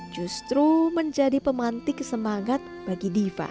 justru menjadi pemanti kesemangat bagi divi